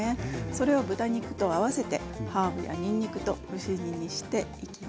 それを豚肉と合わせてハーブやにんにくと蒸し煮にしていきます。